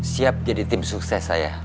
siap jadi tim sukses saya